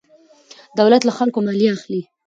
دولت له خلکو مالیه اخلي.